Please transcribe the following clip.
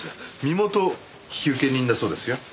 身元引受人だそうですよ。